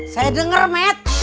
saya dengar matt